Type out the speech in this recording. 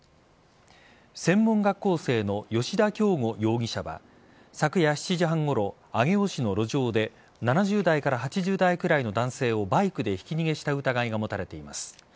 専門学校生の吉田京五容疑者は昨夜７時半ごろ、上尾市の路上で７０代から８０代くらいの男性をバイクでひき逃げした疑いが持たれています。